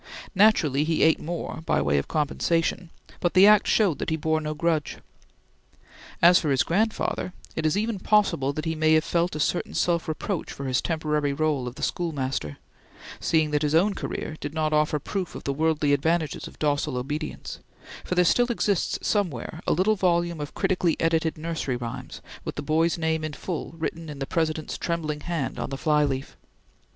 Naturally he ate more by way of compensation, but the act showed that he bore no grudge. As for his grandfather, it is even possible that he may have felt a certain self reproach for his temporary role of schoolmaster seeing that his own career did not offer proof of the worldly advantages of docile obedience for there still exists somewhere a little volume of critically edited Nursery Rhymes with the boy's name in full written in the President's trembling hand on the fly leaf.